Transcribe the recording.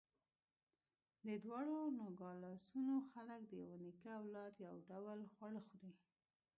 د دواړو نوګالسونو خلک د یوه نیکه اولاد، یو ډول خواړه خوري.